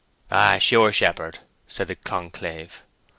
"Ay, sure, shepherd," said the conclave.